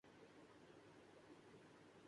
وہ ہمیشہ خوش نہیں رہ سکتا